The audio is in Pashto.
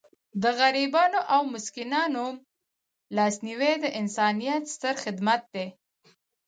د غریبانو او مسکینانو لاسنیوی د انسانیت ستر خدمت دی.